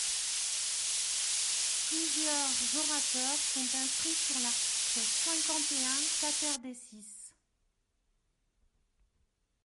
Plusieurs orateurs sont inscrits sur l’article cinquante et un quaterdecies.